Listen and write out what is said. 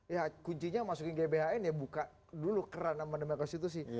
ya kuncinya masukin gbhn ya buka dulu keran sama demikian situ sih